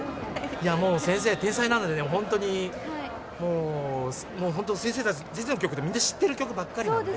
もう先生、天才なので、本当にもう、もう本当、先生の曲ってみんな知ってる曲ばっかりなんで。